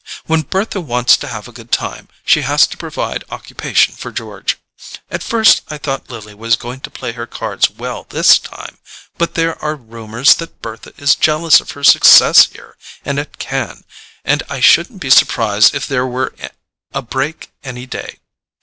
When Bertha wants to have a good time she has to provide occupation for George. At first I thought Lily was going to play her cards well THIS time, but there are rumours that Bertha is jealous of her success here and at Cannes, and I shouldn't be surprised if there were a break any day.